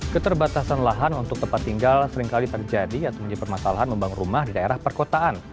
keterbatasan lahan untuk tempat tinggal seringkali terjadi atau menjadi permasalahan membangun rumah di daerah perkotaan